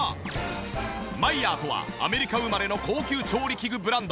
マイヤーとはアメリカ生まれの高級調理器具ブランド。